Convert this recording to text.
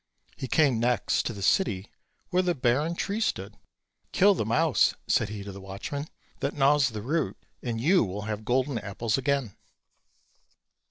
He came next to the city where the barren tree stood. "Kill the mouse," said he to the watchman, "that gnaws the root, and you will have golden apples again."